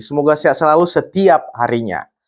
semoga sehat selalu setiap harinya